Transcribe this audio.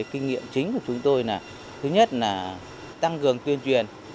kinh nghiệm chính của chúng tôi là thứ nhất là tăng cường tuyên truyền